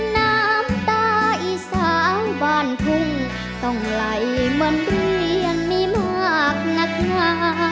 น้ำตาอีสานบ้านทุ่งต้องไหลเหมือนเรียนมีมากนักงา